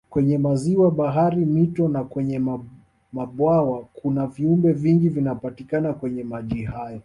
Kwenye maziwa bahari mito na kwenye mabwawa kuna viumbe vingi vinapatikana kwenye maji hayo